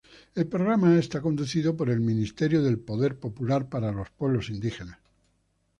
El programa es conducido por el Ministerio del Poder Popular para los Pueblos Indígenas.